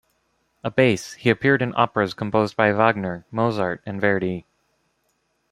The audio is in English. A bass, he appeared in operas composed by Wagner, Mozart and Verdi.